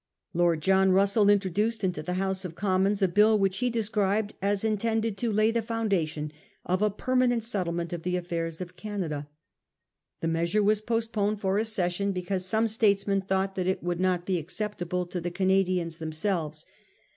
Lord John Russell in troduced into the House of Commons a bill which he described as intended to lay the foundation of a permanent settlement of the affairs of Canada. The measure was postponed for a session because some statesmen thought that it would not be accept able to the Canadians themselves.